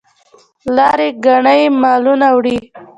لاری ګانې مالونه وړي.